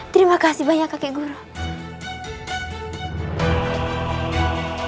bergantung kamu dengan berolahraga guru guru bawang